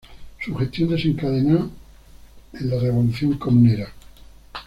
Su gestión desencadenó en la Revolución Comunera.